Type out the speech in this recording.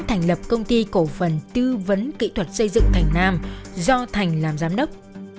thành lập công ty cổ phần tư vấn kỹ thuật xây dựng thành nam do thành làm giám đốc